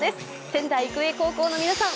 仙台育英高校の皆さん